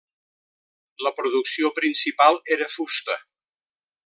La producció principal era fusta.